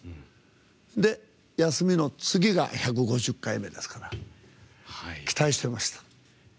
で、休みの次の日が１５０回目ですから期待してました。